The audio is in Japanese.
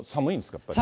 やっぱり。